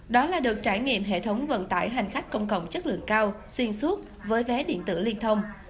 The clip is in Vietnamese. đó là được trải nghiệm hệ thống vận tải hành khách công cộng chất lượng cao xuyên suốt với vé điện tử liên thông